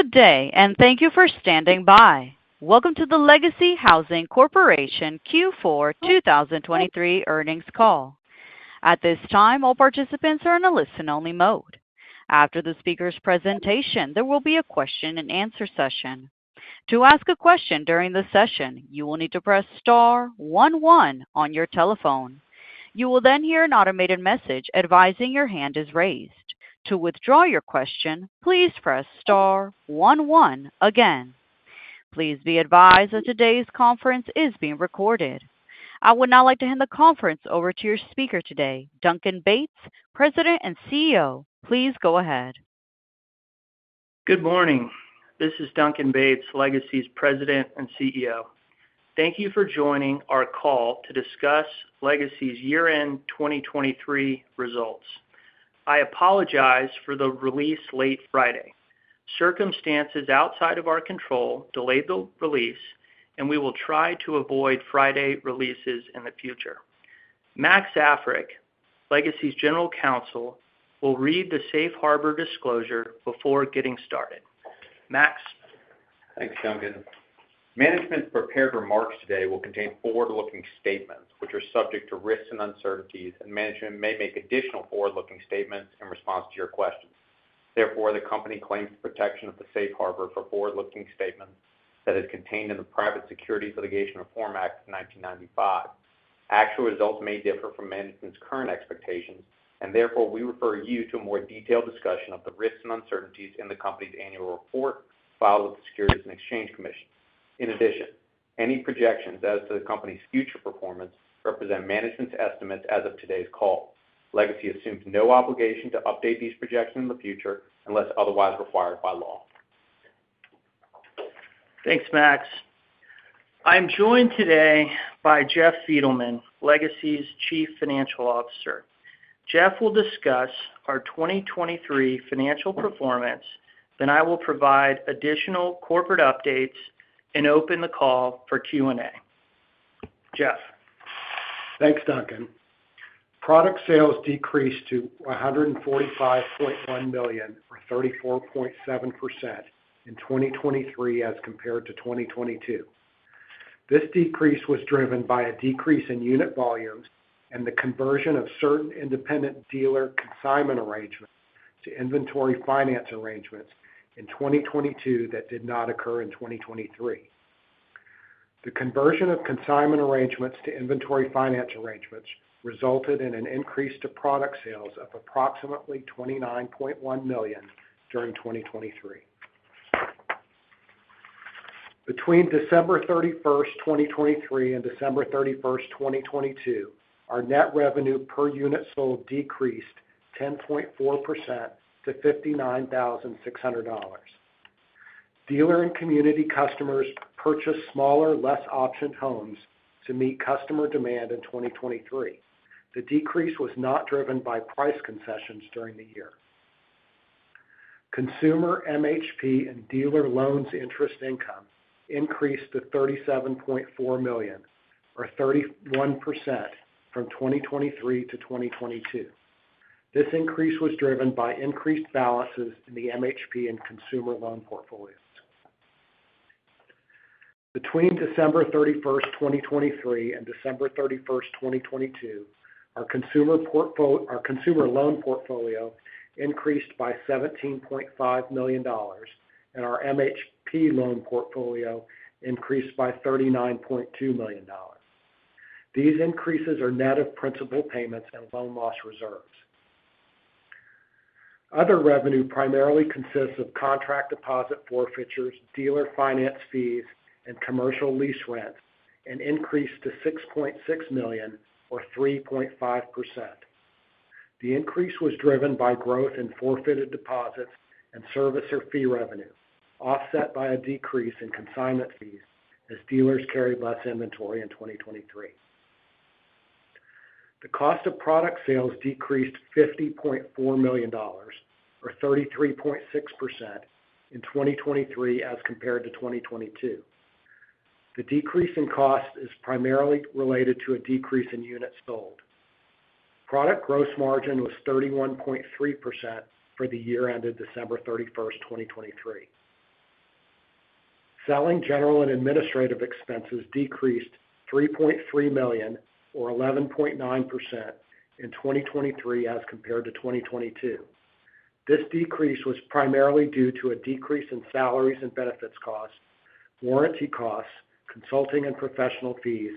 Good day, and thank you for standing by. Welcome to the Legacy Housing Corporation Q4 2023 earnings call. At this time, all participants are in a listen-only mode. After the speaker's presentation, there will be a question-and-answer session. To ask a question during the session, you will need to press star one one on your telephone. You will then hear an automated message advising your hand is raised. To withdraw your question, please press star one one again. Please be advised that today's conference is being recorded. I would now like to hand the conference over to your speaker today, Duncan Bates, President and CEO. Please go ahead. Good morning. This is Duncan Bates, Legacy's President and CEO. Thank you for joining our call to discuss Legacy's year-end 2023 results. I apologize for the release late Friday. Circumstances outside of our control delayed the release, and we will try to avoid Friday releases in the future. Max Africk, Legacy's General Counsel, will read the Safe Harbor disclosure before getting started. Max. Thanks, Duncan. Management's prepared remarks today will contain forward-looking statements, which are subject to risks and uncertainties, and management may make additional forward-looking statements in response to your questions. Therefore, the company claims the protection of the Safe Harbor for forward-looking statements that is contained in the Private Securities Litigation Reform Act of 1995. Actual results may differ from management's current expectations, and therefore we refer you to a more detailed discussion of the risks and uncertainties in the company's annual report filed with the Securities and Exchange Commission. In addition, any projections as to the company's future performance represent management's estimates as of today's call. Legacy assumes no obligation to update these projections in the future unless otherwise required by law. Thanks, Max. I'm joined today by Jeff Fiedelman, Legacy's Chief Financial Officer. Jeff will discuss our 2023 financial performance, then I will provide additional corporate updates and open the call for Q&A. Jeff. Thanks, Duncan. Product sales decreased to $145.1 million, or 34.7%, in 2023 as compared to 2022. This decrease was driven by a decrease in unit volumes and the conversion of certain independent dealer consignment arrangements to inventory finance arrangements in 2022 that did not occur in 2023. The conversion of consignment arrangements to inventory finance arrangements resulted in an increase to product sales of approximately $29.1 million during 2023. Between December 31st, 2023, and December 31st, 2022, our net revenue per unit sold decreased 10.4% to $59,600. Dealer and community customers purchased smaller, less optioned homes to meet customer demand in 2023. The decrease was not driven by price concessions during the year. Consumer MHP and dealer loans interest income increased to $37.4 million, or 31%, from 2022-2023. This increase was driven by increased balances in the MHP and consumer loan portfolios. Between December 31st, 2023, and December 31st, 2022, our consumer loan portfolio increased by $17.5 million, and our MHP loan portfolio increased by $39.2 million. These increases are net of principal payments and loan loss reserves. Other revenue primarily consists of contract deposit forfeitures, dealer finance fees, and commercial lease rents, and increased to $6.6 million, or 3.5%. The increase was driven by growth in forfeited deposits and servicer fee revenue, offset by a decrease in consignment fees as dealers carried less inventory in 2023. The cost of product sales decreased $50.4 million, or 33.6%, in 2023 as compared to 2022. The decrease in cost is primarily related to a decrease in units sold. Product gross margin was 31.3% for the year ended December 31st, 2023. Selling general and administrative expenses decreased $3.3 million, or 11.9%, in 2023 as compared to 2022. This decrease was primarily due to a decrease in salaries and benefits costs, warranty costs, consulting and professional fees,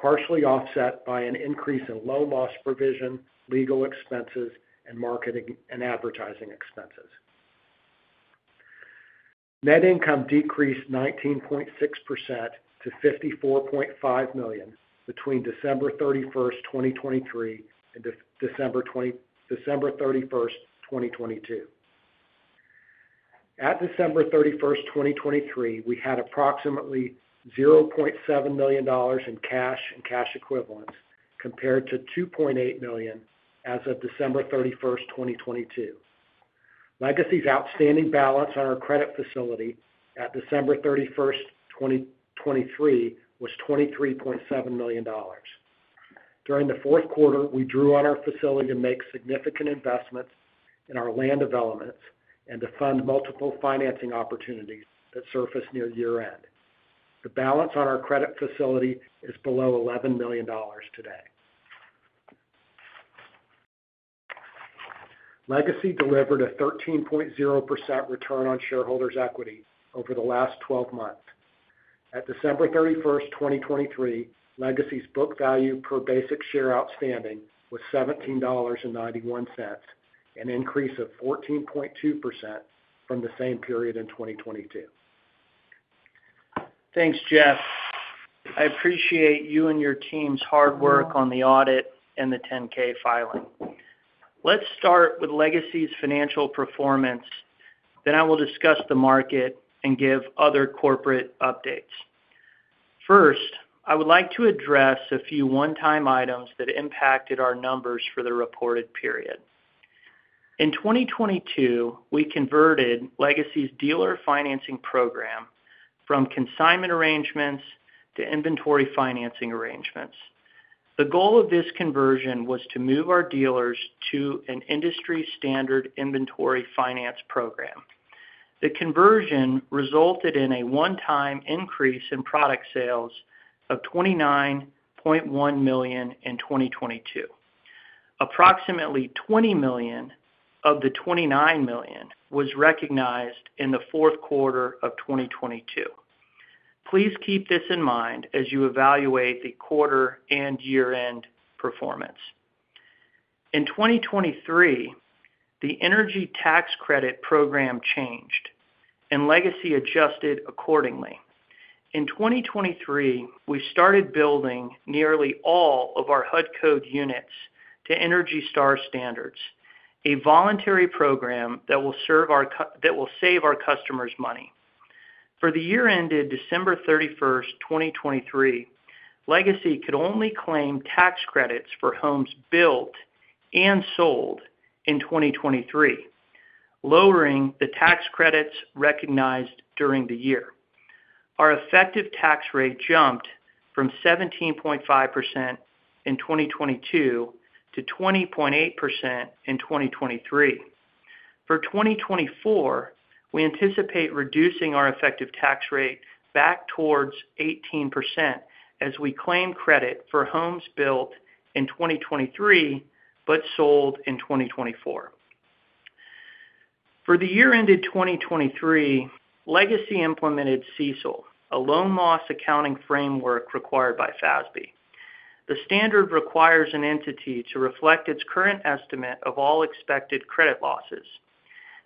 partially offset by an increase in loan-loss provision, legal expenses, and marketing and advertising expenses. Net income decreased 19.6% to $54.5 million between December 31st, 2023, and December 31st, 2022. At December 31st, 2023, we had approximately $0.7 million in cash and cash equivalents compared to $2.8 million as of December 31st, 2022. Legacy's outstanding balance on our credit facility at December 31st, 2023, was $23.7 million. During the fourth quarter, we drew on our facility to make significant investments in our land developments and to fund multiple financing opportunities that surfaced near year-end. The balance on our credit facility is below $11 million today. Legacy delivered a 13.0% return on shareholders' equity over the last 12 months. At December 31st, 2023, Legacy's book value per basic share outstanding was $17.91, an increase of 14.2% from the same period in 2022. Thanks, Jeff. I appreciate you and your team's hard work on the audit and the 10-K filing. Let's start with Legacy's financial performance, then I will discuss the market and give other corporate updates. First, I would like to address a few one-time items that impacted our numbers for the reported period. In 2022, we converted Legacy's dealer financing program from consignment arrangements to inventory financing arrangements. The goal of this conversion was to move our dealers to an industry-standard inventory finance program. The conversion resulted in a one-time increase in product sales of $29.1 million in 2022. Approximately $20 million of the $29 million was recognized in the fourth quarter of 2022. Please keep this in mind as you evaluate the quarter-end year-end performance. In 2023, the energy tax credit program changed, and Legacy adjusted accordingly. In 2023, we started building nearly all of our HUD code units to Energy Star standards, a voluntary program that will save our customers money. For the year-ended December 31st, 2023, Legacy could only claim tax credits for homes built and sold in 2023, lowering the tax credits recognized during the year. Our effective tax rate jumped from 17.5% in 2022 to 20.8% in 2023. For 2024, we anticipate reducing our effective tax rate back towards 18% as we claim credit for homes built in 2023 but sold in 2024. For the year-ended 2023, Legacy implemented CECL, a loan loss accounting framework required by FASB. The standard requires an entity to reflect its current estimate of all expected credit losses.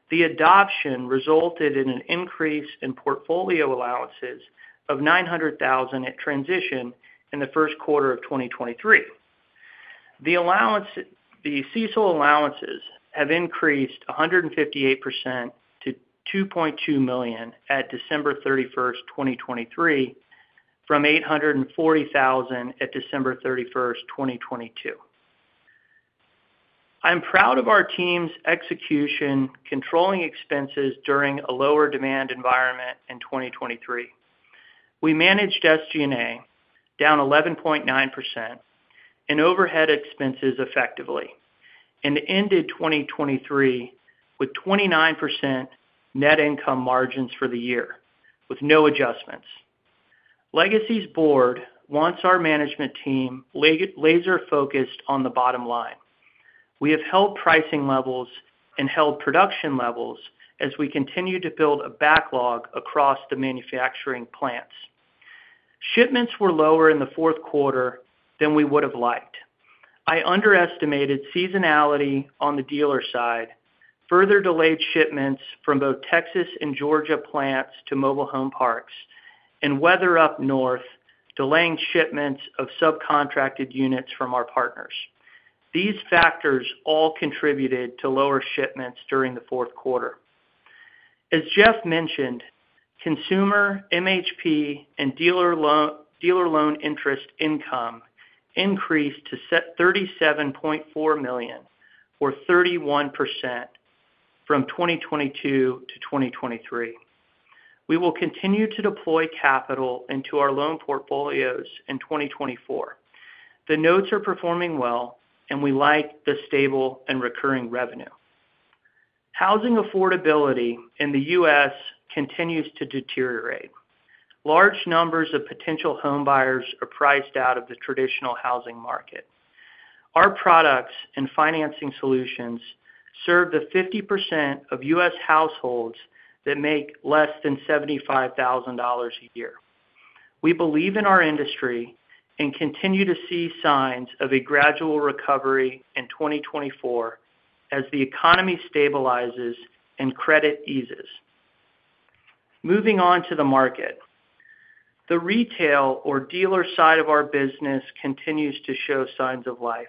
The adoption resulted in an increase in portfolio allowances of $900,000 at transition in the first quarter of 2023. The CECL allowances have increased 158% to $2.2 million at December 31st, 2023, from $840,000 at December 31st, 2022. I'm proud of our team's execution controlling expenses during a lower-demand environment in 2023. We managed SG&A down 11.9% and overhead expenses effectively and ended 2023 with 29% net income margins for the year with no adjustments. Legacy's board wants our management team laser-focused on the bottom line. We have held pricing levels and held production levels as we continue to build a backlog across the manufacturing plants. Shipments were lower in the fourth quarter than we would have liked. I underestimated seasonality on the dealer side, further delayed shipments from both Texas and Georgia plants to mobile home parks, and weather up north, delaying shipments of subcontracted units from our partners. These factors all contributed to lower shipments during the fourth quarter. As Jeff mentioned, consumer MHP and dealer loan interest income increased to $37.4 million, or 31%, from 2022-2023. We will continue to deploy capital into our loan portfolios in 2024. The notes are performing well, and we like the stable and recurring revenue. Housing affordability in the U.S. continues to deteriorate. Large numbers of potential homebuyers are priced out of the traditional housing market. Our products and financing solutions serve the 50% of U.S. households that make less than $75,000 a year. We believe in our industry and continue to see signs of a gradual recovery in 2024 as the economy stabilizes and credit eases. Moving on to the market, the retail, or dealer side of our business, continues to show signs of life.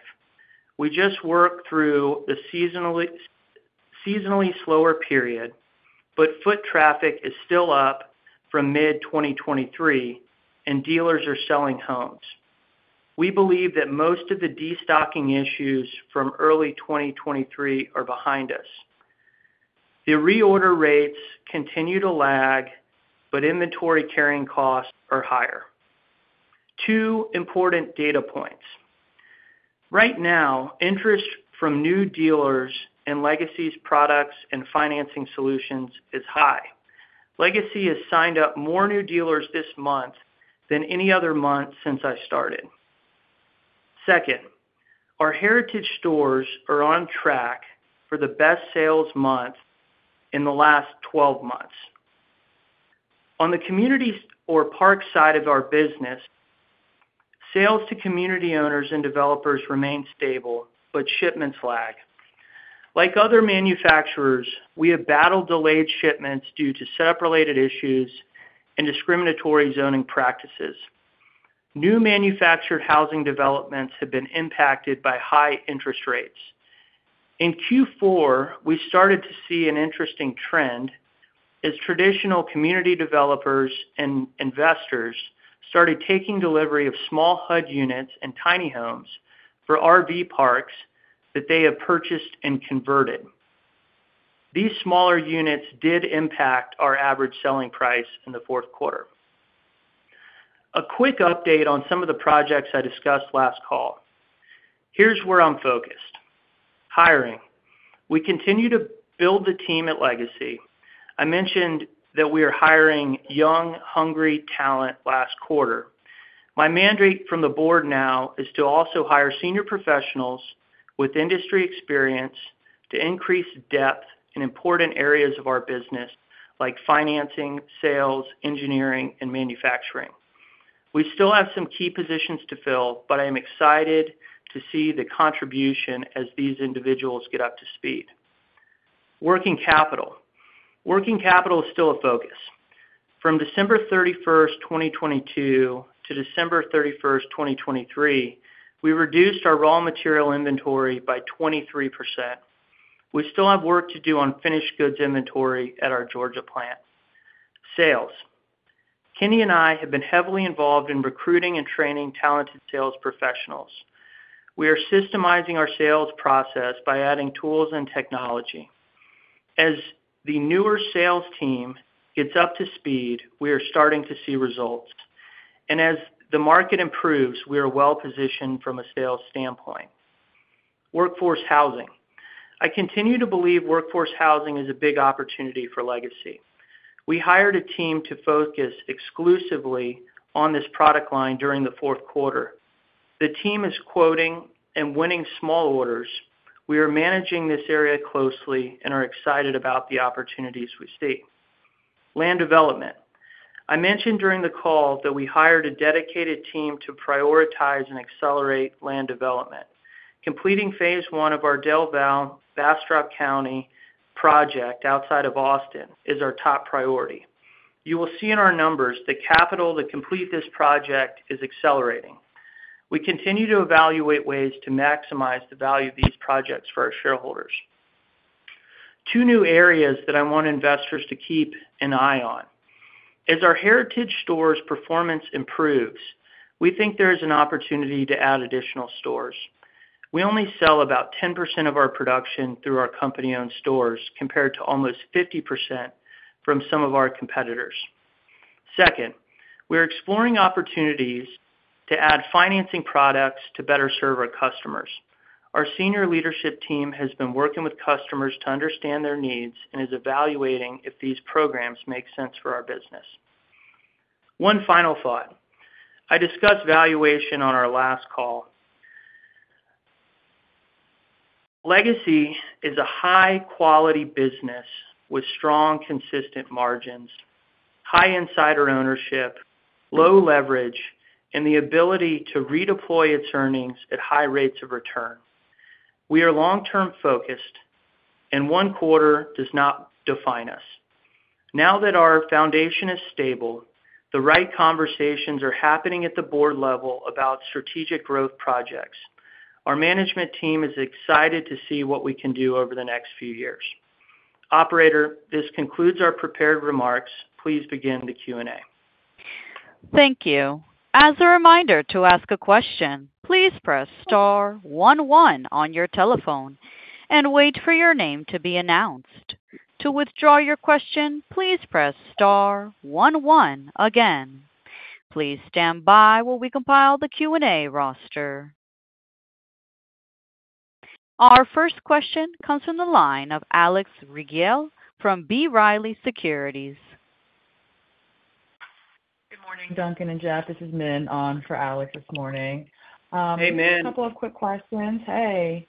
We just worked through the seasonally slower period, but foot traffic is still up from mid-2023, and dealers are selling homes. We believe that most of the destocking issues from early 2023 are behind us. The reorder rates continue to lag, but inventory carrying costs are higher. Two important data points. Right now, interest from new dealers in Legacy's products and financing solutions is high. Legacy has signed up more new dealers this month than any other month since I started. Second, our heritage stores are on track for the best sales month in the last 12 months. On the community or park side of our business, sales to community owners and developers remain stable, but shipments lag. Like other manufacturers, we have battled delayed shipments due to setup-related issues and discriminatory zoning practices. New manufactured housing developments have been impacted by high interest rates. In Q4, we started to see an interesting trend as traditional community developers and investors started taking delivery of small HUD units and tiny homes for RV parks that they have purchased and converted. These smaller units did impact our average selling price in the fourth quarter. A quick update on some of the projects I discussed last call. Here's where I'm focused: hiring. We continue to build the team at Legacy. I mentioned that we are hiring young, hungry talent last quarter. My mandate from the board now is to also hire senior professionals with industry experience to increase depth in important areas of our business like financing, sales, engineering, and manufacturing. We still have some key positions to fill, but I am excited to see the contribution as these individuals get up to speed. Working capital. Working capital is still a focus. From December 31st, 2022-December 31st, 2023, we reduced our raw material inventory by 23%. We still have work to do on finished goods inventory at our Georgia plant. Sales. Kenny and I have been heavily involved in recruiting and training talented sales professionals. We are systemizing our sales process by adding tools and technology. As the newer sales team gets up to speed, we are starting to see results. As the market improves, we are well-positioned from a sales standpoint. Workforce housing. I continue to believe workforce housing is a big opportunity for Legacy. We hired a team to focus exclusively on this product line during the fourth quarter. The team is quoting and winning small orders. We are managing this area closely and are excited about the opportunities we see. Land development. I mentioned during the call that we hired a dedicated team to prioritize and accelerate land development. Completing phase one of our Del Valle Bastrop County project outside of Austin is our top priority. You will see in our numbers the capital to complete this project is accelerating. We continue to evaluate ways to maximize the value of these projects for our shareholders. Two new areas that I want investors to keep an eye on. As our heritage stores' performance improves, we think there is an opportunity to add additional stores. We only sell about 10% of our production through our company-owned stores compared to almost 50% from some of our competitors. Second, we are exploring opportunities to add financing products to better serve our customers. Our senior leadership team has been working with customers to understand their needs and is evaluating if these programs make sense for our business. One final thought. I discussed valuation on our last call. Legacy is a high-quality business with strong, consistent margins, high insider ownership, low leverage, and the ability to redeploy its earnings at high rates of return. We are long-term focused, and one quarter does not define us. Now that our foundation is stable, the right conversations are happening at the board level about strategic growth projects. Our management team is excited to see what we can do over the next few years. Operator, this concludes our prepared remarks. Please begin the Q&A. Thank you. As a reminder to ask a question, please press star one one on your telephone and wait for your name to be announced. To withdraw your question, please press star one one again. Please stand by while we compile the Q&A roster. Our first question comes from the line of Alex Rygiel from B. Riley Securities. Good morning, Duncan and Jeff. This is Min on for Alex this morning. Hey, Min. Just a couple of quick questions. Hey.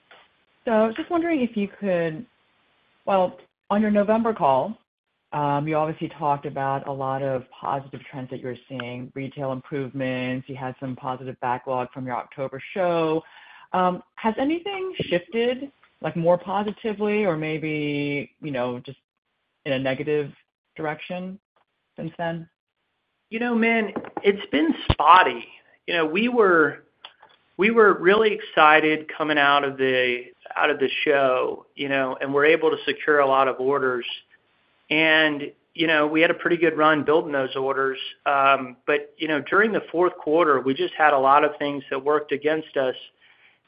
So just wondering if you could well, on your November call, you obviously talked about a lot of positive trends that you were seeing, retail improvements. You had some positive backlog from your October show. Has anything shifted more positively or maybe just in a negative direction since then? Min, it's been spotty. We were really excited coming out of the show, and we were able to secure a lot of orders. We had a pretty good run building those orders. But during the fourth quarter, we just had a lot of things that worked against us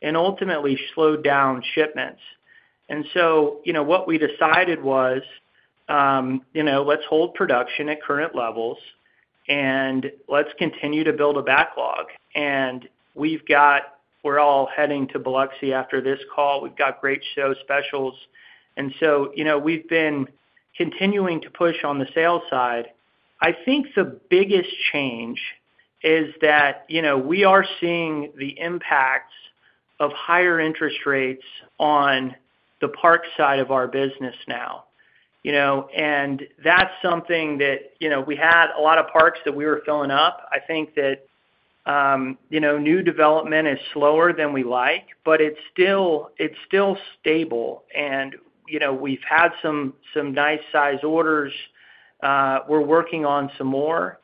and ultimately slowed down shipments. So what we decided was, "Let's hold production at current levels, and let's continue to build a backlog." We're all heading to Biloxi after this call. We've got great show specials. We've been continuing to push on the sales side. I think the biggest change is that we are seeing the impacts of higher interest rates on the park side of our business now. That's something that we had a lot of parks that we were filling up. I think that new development is slower than we like, but it's still stable. We've had some nice-sized orders. We're working on some more,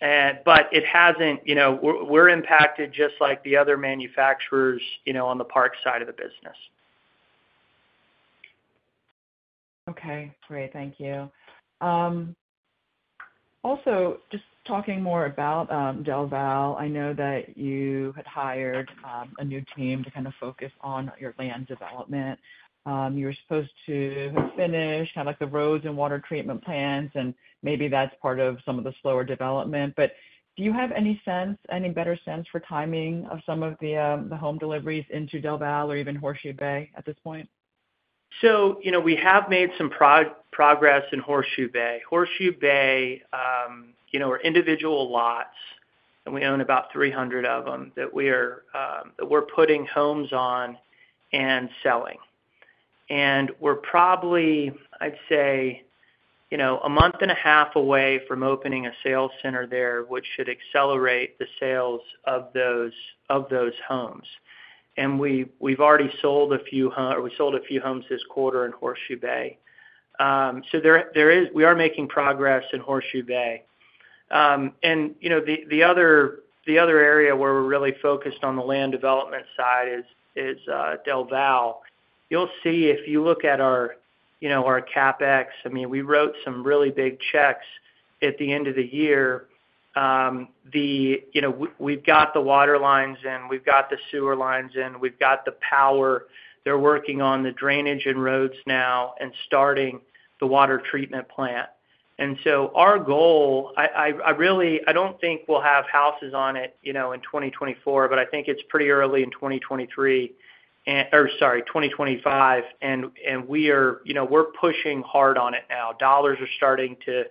but it hasn't. We're impacted just like the other manufacturers on the park side of the business. Okay. Great. Thank you. Also, just talking more about Del Valle, I know that you had hired a new team to kind of focus on your land development. You were supposed to have finished kind of the roads and water treatment plants, and maybe that's part of some of the slower development. But do you have any better sense for timing of some of the home deliveries into Del Valle or even Horseshoe Bay at this point? So we have made some progress in Horseshoe Bay. Horseshoe Bay are individual lots, and we own about 300 of them that we're putting homes on and selling. And we're probably, I'd say, a month and a half away from opening a sales center there, which should accelerate the sales of those homes. And we've already sold a few or we sold a few homes this quarter in Horseshoe Bay. So we are making progress in Horseshoe Bay. And the other area where we're really focused on the land development side is Del Valle. You'll see if you look at our CapEx. I mean, we wrote some really big checks at the end of the year. We've got the water lines in. We've got the sewer lines in. We've got the power. They're working on the drainage and roads now and starting the water treatment plant. So our goal, I don't think we'll have houses on it in 2024, but I think it's pretty early in 2023 or sorry, 2025. We're pushing hard on it now. Dollars are starting to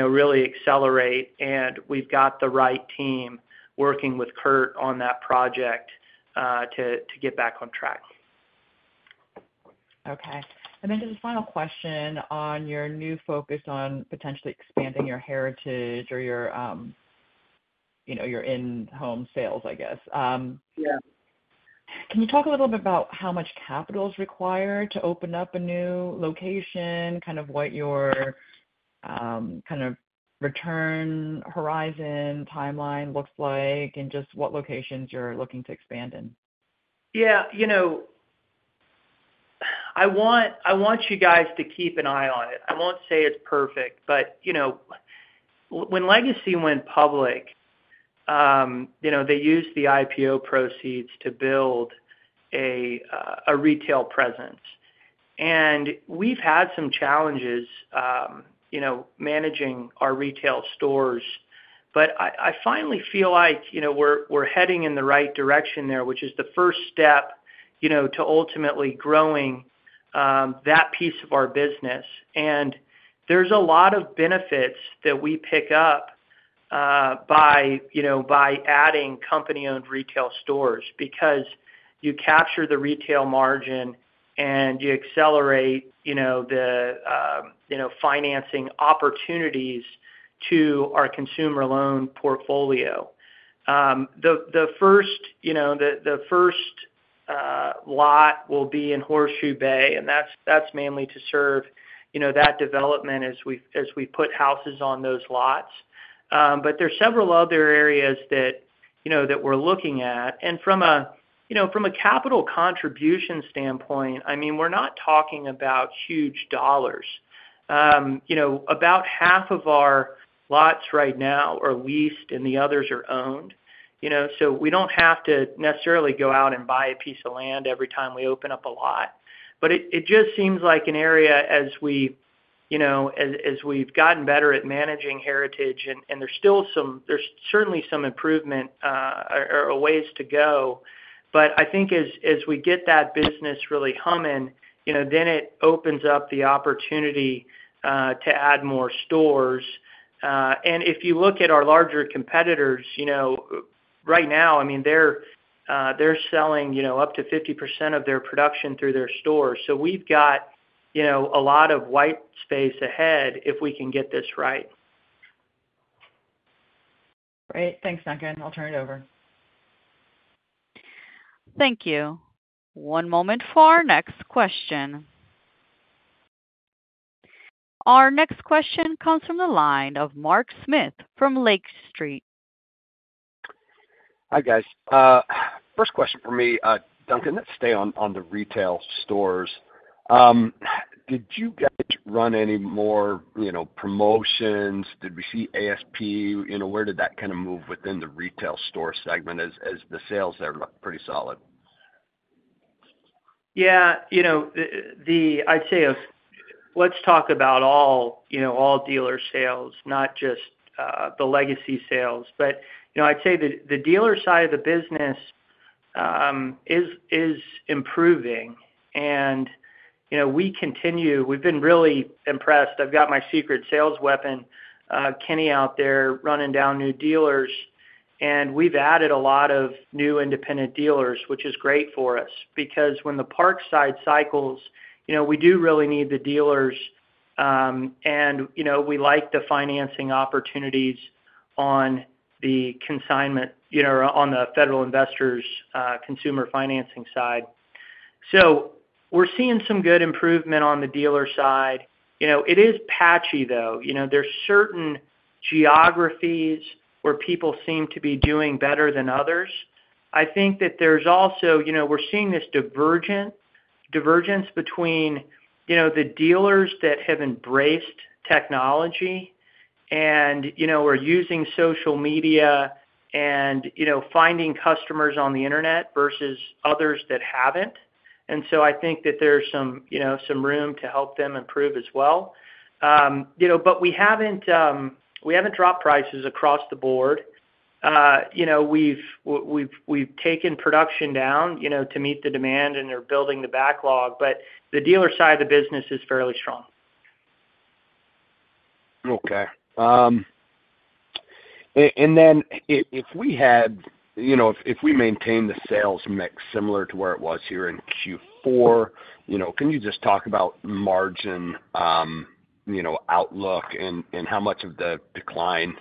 really accelerate, and we've got the right team working with Curt on that project to get back on track. Okay. And then just a final question on your new focus on potentially expanding your retail or your in-home sales, I guess. Can you talk a little bit about how much capital is required to open up a new location, kind of what your kind of return horizon timeline looks like, and just what locations you're looking to expand in? Yeah. I want you guys to keep an eye on it. I won't say it's perfect, but when Legacy went public, they used the IPO proceeds to build a retail presence. We've had some challenges managing our retail stores, but I finally feel like we're heading in the right direction there, which is the first step to ultimately growing that piece of our business. There's a lot of benefits that we pick up by adding company-owned retail stores because you capture the retail margin, and you accelerate the financing opportunities to our consumer loan portfolio. The first lot will be in Horseshoe Bay, and that's mainly to serve that development as we put houses on those lots. But there's several other areas that we're looking at. From a capital contribution standpoint, I mean, we're not talking about huge dollars. About half of our lots right now are leased, and the others are owned. So we don't have to necessarily go out and buy a piece of land every time we open up a lot. But it just seems like an area as we've gotten better at managing retail, and there's certainly some improvement or ways to go. But I think as we get that business really humming, then it opens up the opportunity to add more stores. And if you look at our larger competitors, right now, I mean, they're selling up to 50% of their production through their stores. So we've got a lot of white space ahead if we can get this right. Great. Thanks, Duncan. I'll turn it over. Thank you. One moment for our next question. Our next question comes from the line of Mark Smith from Lake Street. Hi, guys. First question for me, Duncan, let's stay on the retail stores. Did you guys run any more promotions? Did we see ASP? Where did that kind of move within the retail store segment as the sales there looked pretty solid? Yeah. I'd say let's talk about all dealer sales, not just the Legacy sales. But I'd say the dealer side of the business is improving, and we continue. We've been really impressed. I've got my secret sales weapon, Kenny, out there running down new dealers. And we've added a lot of new independent dealers, which is great for us because when the park side cycles, we do really need the dealers. And we like the financing opportunities on the consignment on the Federal Investors' consumer financing side. So we're seeing some good improvement on the dealer side. It is patchy, though. There's certain geographies where people seem to be doing better than others. I think that there's also, we're seeing this divergence between the dealers that have embraced technology and are using social media and finding customers on the internet versus others that haven't. I think that there's some room to help them improve as well. But we haven't dropped prices across the board. We've taken production down to meet the demand, and they're building the backlog. But the dealer side of the business is fairly strong. Okay. And then if we maintain the sales mix similar to where it was here in Q4, can you just talk about margin outlook and how much of the decline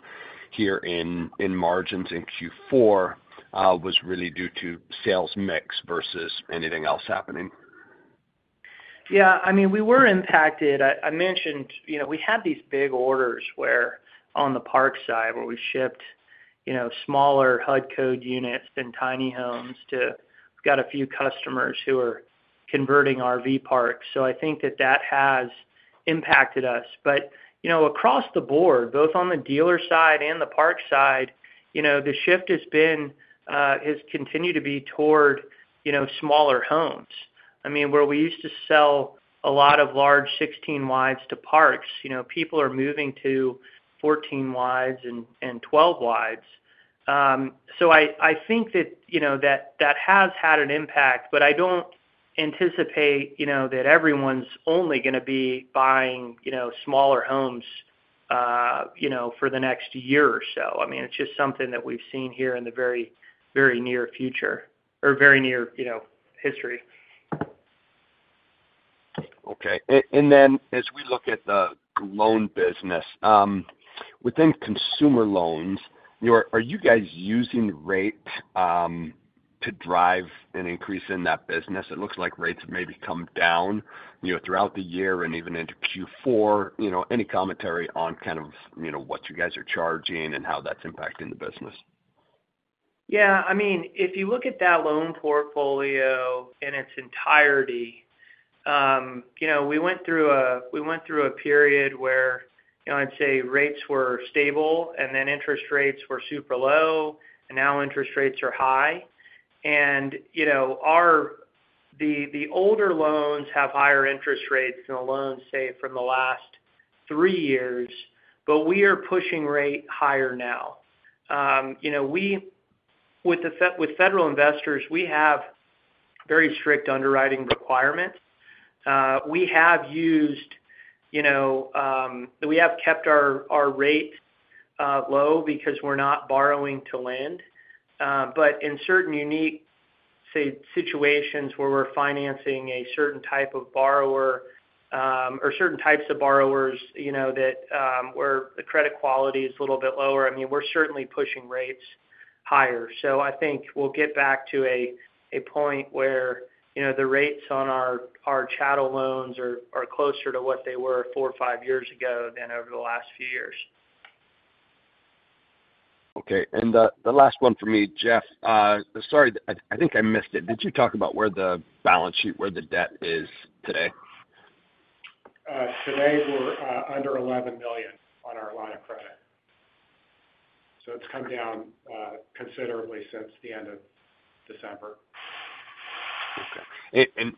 here in margins in Q4 was really due to sales mix versus anything else happening? Yeah. I mean, we were impacted. I mentioned we had these big orders on the park side where we shipped smaller HUD Code units and tiny homes to. We've got a few customers who are converting RV parks. So I think that that has impacted us. But across the board, both on the dealer side and the park side, the shift has continued to be toward smaller homes. I mean, where we used to sell a lot of large 16-wides to parks, people are moving to 14-wides and 12-wides. So I think that that has had an impact, but I don't anticipate that everyone's only going to be buying smaller homes for the next year or so. I mean, it's just something that we've seen here in the very, very near future or very near history. Okay. And then as we look at the loan business, within consumer loans, are you guys using rates to drive an increase in that business? It looks like rates maybe come down throughout the year and even into Q4. Any commentary on kind of what you guys are charging and how that's impacting the business? Yeah. I mean, if you look at that loan portfolio in its entirety, we went through a period where, I'd say, rates were stable, and then interest rates were super low, and now interest rates are high. And the older loans have higher interest rates than the loans, say, from the last three years, but we are pushing rate higher now. With federal investors, we have very strict underwriting requirements. We have kept our rate low because we're not borrowing to lend. But in certain unique, say, situations where we're financing a certain type of borrower or certain types of borrowers where the credit quality is a little bit lower, I mean, we're certainly pushing rates higher. I think we'll get back to a point where the rates on our chattel loans are closer to what they were four or five years ago than over the last few years. Okay. And the last one for me, Jeff, sorry, I think I missed it. Did you talk about where the balance sheet where the debt is today? Today, we're under $11 million on our line of credit. It's come down considerably since the end of December. Okay.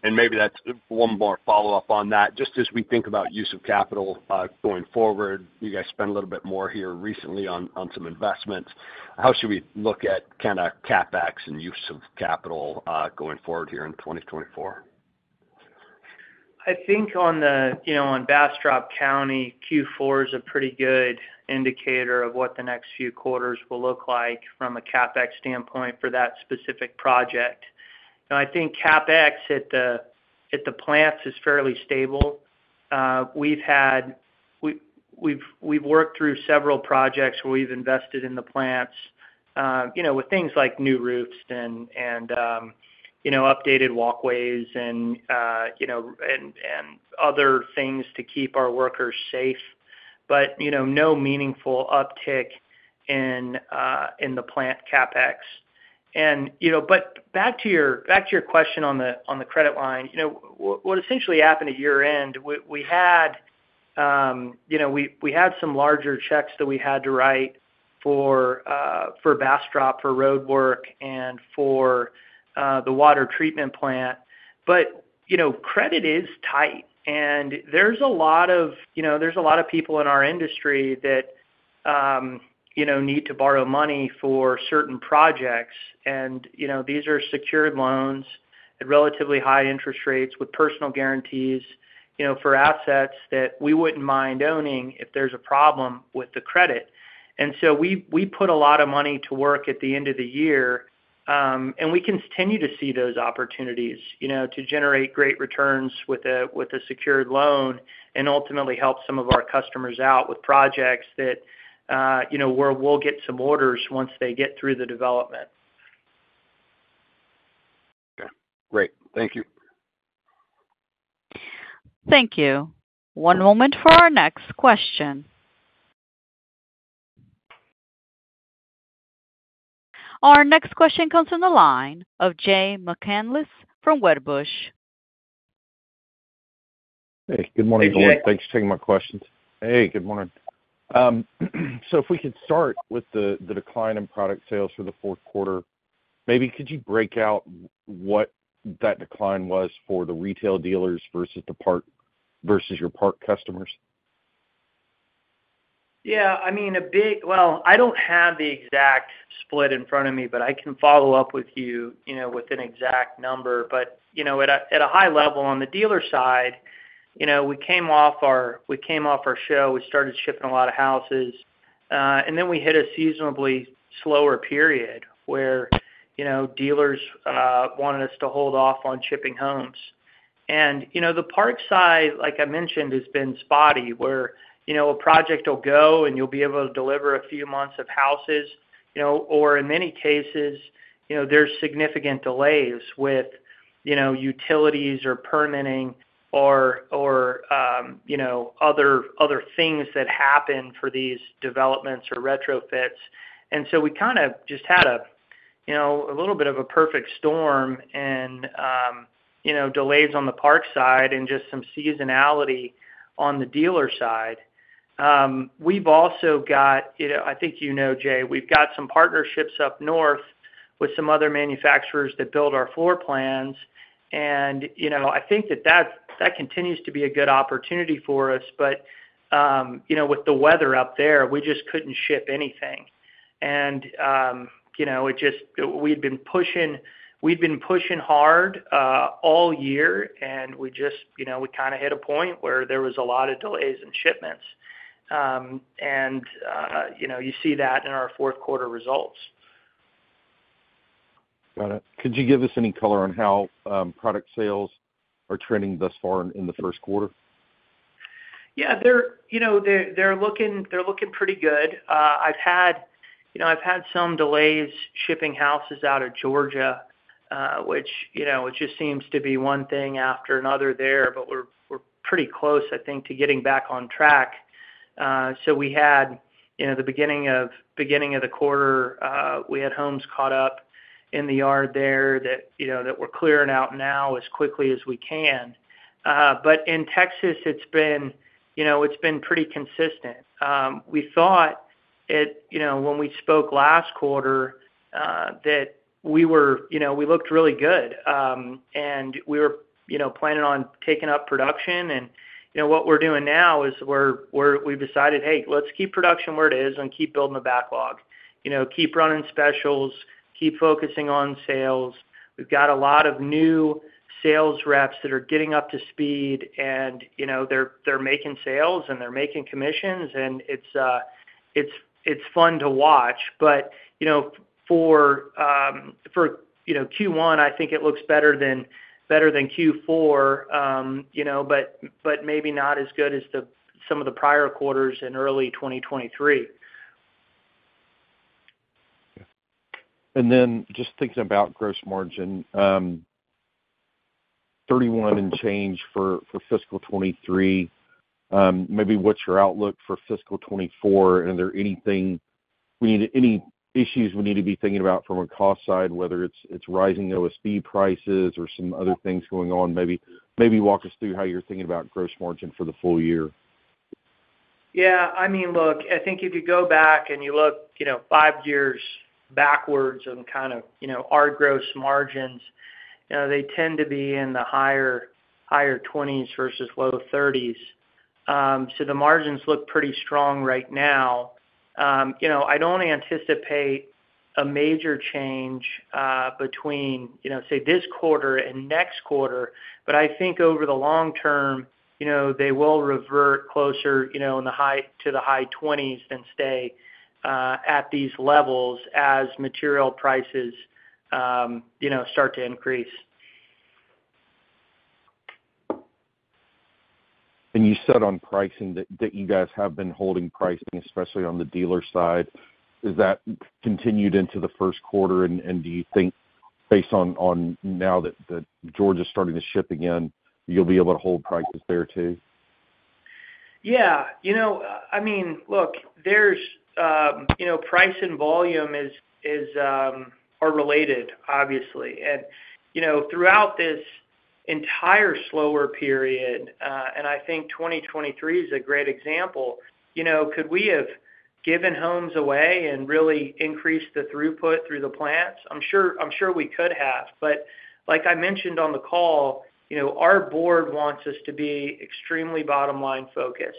Maybe that's one more follow-up on that. Just as we think about use of capital going forward, you guys spent a little bit more here recently on some investments. How should we look at kind of CapEx and use of capital going forward here in 2024? I think on Bastrop County, Q4 is a pretty good indicator of what the next few quarters will look like from a CapEx standpoint for that specific project. Now, I think CapEx at the plants is fairly stable. We've worked through several projects where we've invested in the plants with things like new roofs and updated walkways and other things to keep our workers safe, but no meaningful uptick in the plant CapEx. But back to your question on the credit line, what essentially happened at year-end, we had some larger checks that we had to write for Bastrop for roadwork and for the water treatment plant. But credit is tight, and there's a lot of people in our industry that need to borrow money for certain projects. These are secured loans at relatively high interest rates with personal guarantees for assets that we wouldn't mind owning if there's a problem with the credit. So we put a lot of money to work at the end of the year, and we continue to see those opportunities to generate great returns with a secured loan and ultimately help some of our customers out with projects where we'll get some orders once they get through the development. Okay. Great. Thank you. Thank you. One moment for our next question. Our next question comes from the line of Jay McCanless from Wedbush. Hey. Good morning, Duncan. Thanks for taking my questions. Hey. Good morning. So if we could start with the decline in product sales for the fourth quarter, maybe could you break out what that decline was for the retail dealers versus the park versus your park customers? Yeah. I mean, well, I don't have the exact split in front of me, but I can follow up with you with an exact number. But at a high level, on the dealer side, we came off our show. We started shipping a lot of houses. And then we hit a seasonally slower period where dealers wanted us to hold off on shipping homes. And the park side, like I mentioned, has been spotty where a project will go, and you'll be able to deliver a few months of houses. Or in many cases, there's significant delays with utilities or permitting or other things that happen for these developments or retrofits. And so we kind of just had a little bit of a perfect storm and delays on the park side and just some seasonality on the dealer side. We've also got, I think you know, Jay. We've got some partnerships up north with some other manufacturers that build our floor plans. And I think that continues to be a good opportunity for us. But with the weather up there, we just couldn't ship anything. And it just, we'd been pushing hard all year, and we just kind of hit a point where there was a lot of delays in shipments. And you see that in our fourth quarter results. Got it. Could you give us any color on how product sales are trending thus far in the first quarter? Yeah. They're looking pretty good. I've had some delays shipping houses out of Georgia, which it just seems to be one thing after another there. But we're pretty close, I think, to getting back on track. So we had the beginning of the quarter, we had homes caught up in the yard there that we're clearing out now as quickly as we can. But in Texas, it's been pretty consistent. We thought when we spoke last quarter that we were we looked really good, and we were planning on taking up production. And what we're doing now is we've decided, "Hey, let's keep production where it is and keep building the backlog. Keep running specials. Keep focusing on sales." We've got a lot of new sales reps that are getting up to speed, and they're making sales, and they're making commissions. And it's fun to watch. But for Q1, I think it looks better than Q4, but maybe not as good as some of the prior quarters in early 2023. Okay. And then just thinking about gross margin, December 31st and change for fiscal 2023, maybe what's your outlook for fiscal 2024? And are there anything we need any issues we need to be thinking about from a cost side, whether it's rising OSB prices or some other things going on? Maybe walk us through how you're thinking about gross margin for the full year. Yeah. I mean, look, I think if you go back and you look five years backwards on kind of our gross margins, they tend to be in the higher 20s versus low 30s. So the margins look pretty strong right now. I don't anticipate a major change between, say, this quarter and next quarter. But I think over the long term, they will revert closer to the high 20s than stay at these levels as material prices start to increase. You said on pricing that you guys have been holding pricing, especially on the dealer side. Has that continued into the first quarter? Do you think, based on now that Georgia's starting to ship again, you'll be able to hold prices there too? Yeah. I mean, look, there's price and volume are related, obviously. And throughout this entire slower period, and I think 2023 is a great example, could we have given homes away and really increased the throughput through the plants? I'm sure we could have. But like I mentioned on the call, our board wants us to be extremely bottom-line focused.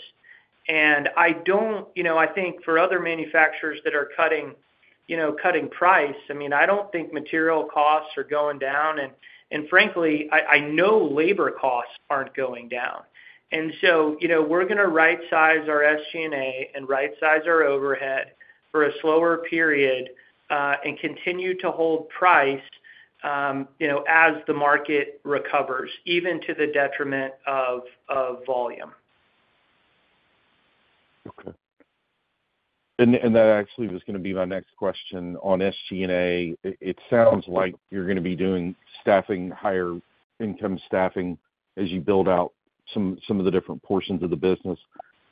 And I don't. I think for other manufacturers that are cutting price, I mean, I don't think material costs are going down. And frankly, I know labor costs aren't going down. And so we're going to right-size our SG&A and right-size our overhead for a slower period and continue to hold price as the market recovers, even to the detriment of volume. Okay. That actually was going to be my next question. On SG&A, it sounds like you're going to be doing staffing, higher-income staffing, as you build out some of the different portions of the business.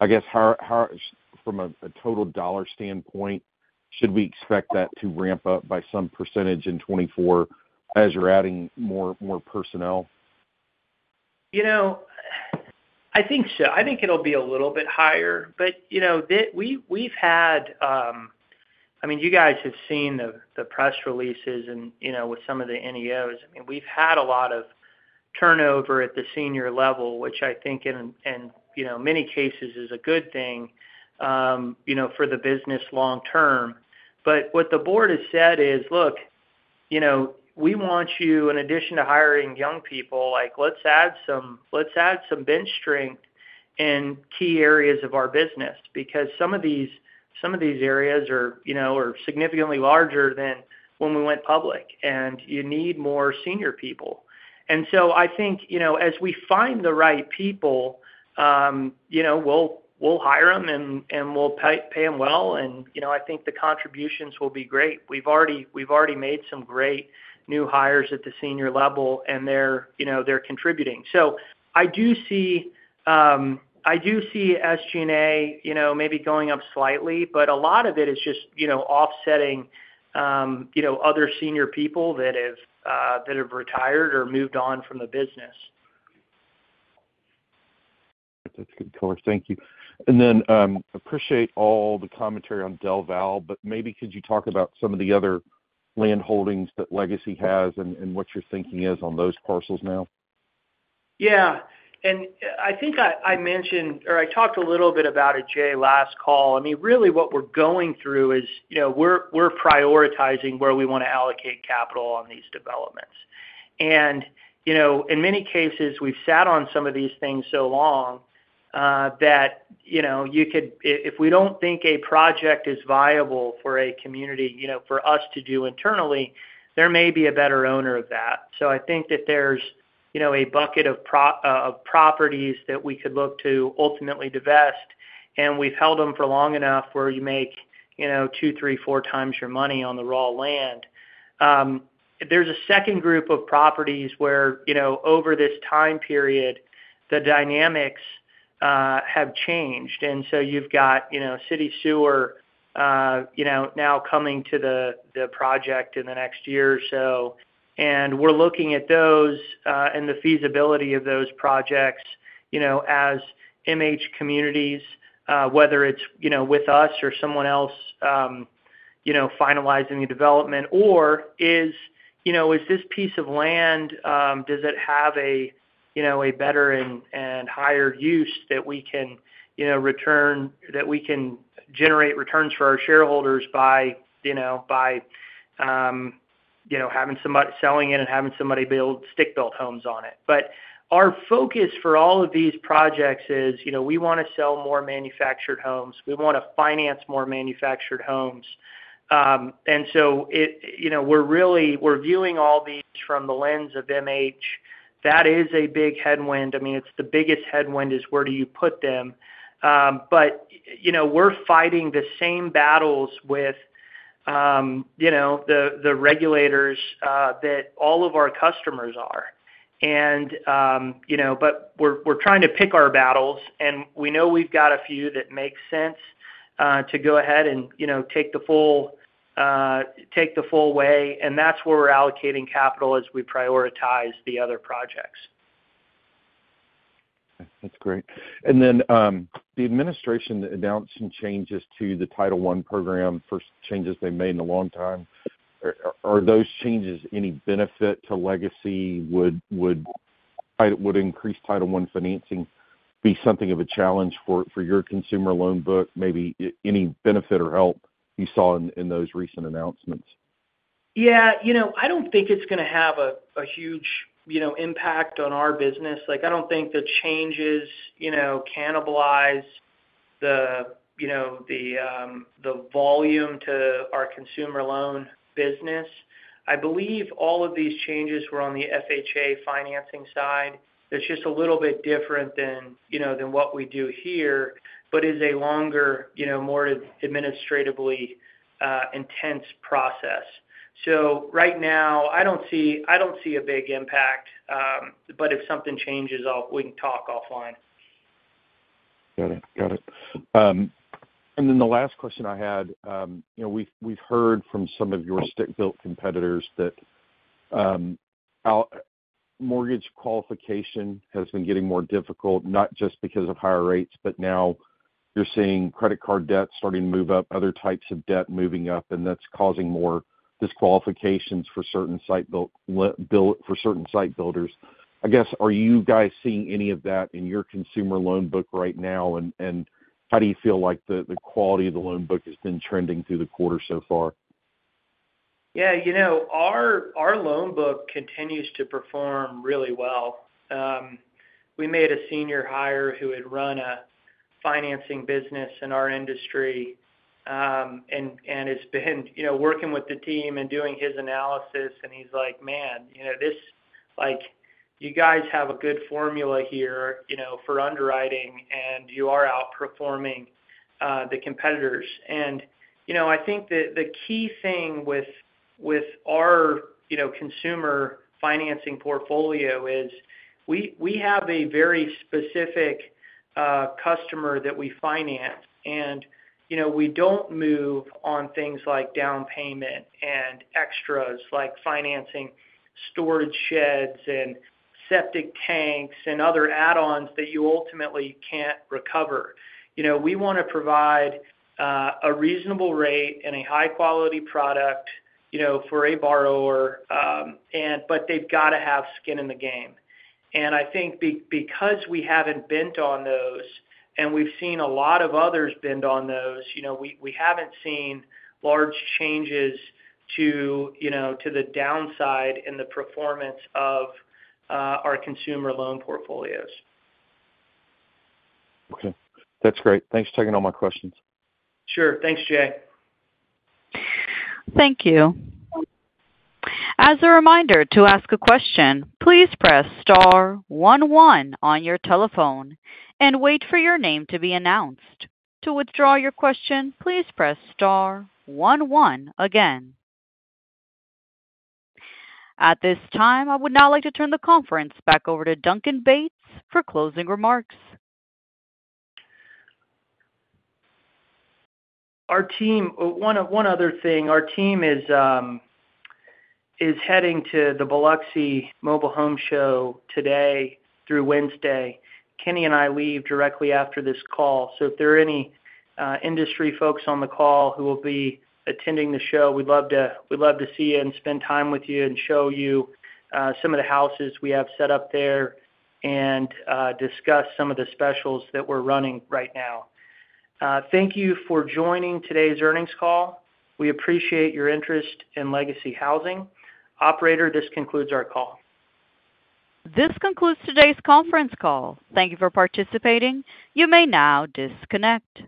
I guess, from a total dollar standpoint, should we expect that to ramp up by some percentage in 2024 as you're adding more personnel? I think so. I think it'll be a little bit higher. But we've had—I mean, you guys have seen the press releases with some of the NEOs. I mean, we've had a lot of turnover at the senior level, which I think, in many cases, is a good thing for the business long term. But what the board has said is, "Look, we want you, in addition to hiring young people, let's add some bench strength in key areas of our business because some of these areas are significantly larger than when we went public, and you need more senior people." And so I think as we find the right people, we'll hire them, and we'll pay them well. And I think the contributions will be great. We've already made some great new hires at the senior level, and they're contributing. So I do see I do see SG&A maybe going up slightly, but a lot of it is just offsetting other senior people that have retired or moved on from the business. That's good color. Thank you. And then I appreciate all the commentary on Del Valle, but maybe could you talk about some of the other land holdings that Legacy has and what your thinking is on those parcels now? Yeah. And I think I mentioned or I talked a little bit about it, Jay, last call. I mean, really, what we're going through is we're prioritizing where we want to allocate capital on these developments. And in many cases, we've sat on some of these things so long that you could, if we don't think a project is viable for a community for us to do internally, there may be a better owner of that. So I think that there's a bucket of properties that we could look to ultimately divest. And we've held them for long enough where you make 2, 3, 4 times your money on the raw land. There's a second group of properties where, over this time period, the dynamics have changed. And so you've got city sewer now coming to the project in the next year or so. And we're looking at those and the feasibility of those projects as MH communities, whether it's with us or someone else finalizing the development, or is this piece of land—does it have a better and higher use that we can return that we can generate returns for our shareholders by having some selling it and having somebody stick-built homes on it? But our focus for all of these projects is we want to sell more manufactured homes. We want to finance more manufactured homes. And so we're viewing all these from the lens of MH. That is a big headwind. I mean, the biggest headwind is where do you put them? But we're fighting the same battles with the regulators that all of our customers are. But we're trying to pick our battles, and we know we've got a few that make sense to go ahead and take the full way. And that's where we're allocating capital as we prioritize the other projects. That's great. And then the administration announced some changes to the Title I program, first changes they made in a long time. Are those changes any benefit to Legacy? Would increased Title I financing be something of a challenge for your consumer loan book? Maybe any benefit or help you saw in those recent announcements? Yeah. I don't think it's going to have a huge impact on our business. I don't think the changes cannibalize the volume to our consumer loan business. I believe all of these changes were on the FHA financing side. It's just a little bit different than what we do here but is a longer, more administratively intense process. So right now, I don't see a big impact. But if something changes, we can talk offline. Got it. Got it. And then the last question I had, we've heard from some of your stick-built competitors that mortgage qualification has been getting more difficult, not just because of higher rates, but now you're seeing credit card debt starting to move up, other types of debt moving up, and that's causing more disqualifications for certain site builders. I guess, are you guys seeing any of that in your consumer loan book right now? And how do you feel like the quality of the loan book has been trending through the quarter so far? Yeah. Our loan book continues to perform really well. We made a senior hire who had run a financing business in our industry and has been working with the team and doing his analysis. And he's like, "Man, you guys have a good formula here for underwriting, and you are outperforming the competitors." And I think the key thing with our consumer financing portfolio is we have a very specific customer that we finance. And we don't move on things like down payment and extras like financing storage sheds and septic tanks and other add-ons that you ultimately can't recover. We want to provide a reasonable rate and a high-quality product for a borrower, but they've got to have skin in the game. I think because we haven't bent on those and we've seen a lot of others bend on those, we haven't seen large changes to the downside in the performance of our consumer loan portfolios. Okay. That's great. Thanks for taking all my questions. Sure. Thanks, Jay. Thank you. As a reminder, to ask a question, please press star one one on your telephone and wait for your name to be announced. To withdraw your question, please press star one one again. At this time, I would now like to turn the conference back over to Duncan Bates for closing remarks. One other thing. Our team is heading to the Biloxi Mobile Home Show today through Wednesday. Kenny and I leave directly after this call. So if there are any industry folks on the call who will be attending the show, we'd love to see you and spend time with you and show you some of the houses we have set up there and discuss some of the specials that we're running right now. Thank you for joining today's earnings call. We appreciate your interest in Legacy Housing. Operator, this concludes our call. This concludes today's conference call. Thank you for participating. You may now disconnect.